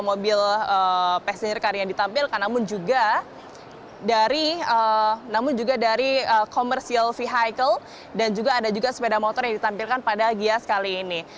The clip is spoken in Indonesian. mobil passenger car yang ditampilkan namun juga dari commercial vehicle dan juga ada juga sepeda motor yang ditampilkan pada gia sekali ini